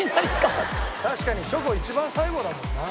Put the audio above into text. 確かにチョコ一番最後だもんな。